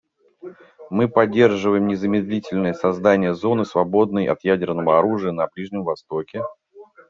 Мы поддерживаем незамедлительное создание зоны, свободной от ядерного оружия, на Ближнем Востоке.